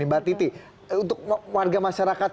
mbak titi untuk warga masyarakat